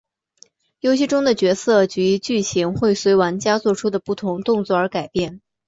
游戏中的角色及剧情会随玩家作出的不同动作而改变。